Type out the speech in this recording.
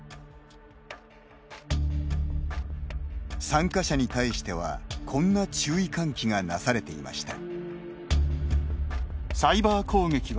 参加者に対しては、こんな注意喚起がなされていました。